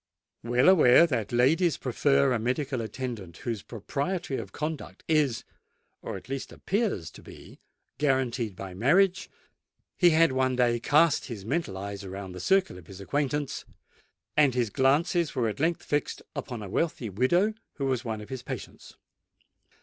Well aware that ladies prefer a medical attendant whose propriety of conduct is—or at least appears to be—guaranteed by marriage, he had one day cast his mental eyes around the circle of his acquaintance; and his glances were at length fixed upon a wealthy widow who was one of his patients.